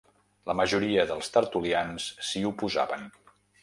La majoria dels tertulians s’hi oposaven.